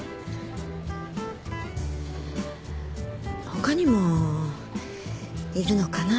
他にもいるのかな？